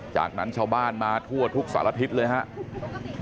จากนั้นชาวบ้านมาทั่วทุกสารทิศเลยครับ